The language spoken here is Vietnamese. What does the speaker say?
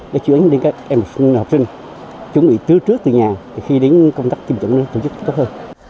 để chuyển đến các em học sinh chuẩn bị trước từ nhà khi đến công tác tiêm chủng tổ chức tốt hơn